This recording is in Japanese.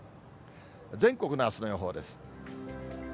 全国のあすの予報です。